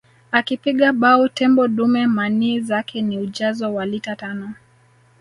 Akipiga bao tembo dume manii zake ni ujazo wa lita tano